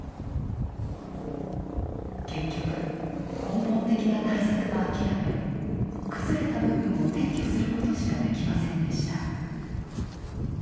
結局、根本的な対策は諦め崩れた部分を撤去することしかできませんでした。